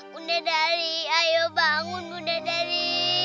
bunda dari ayo bangun bunda dari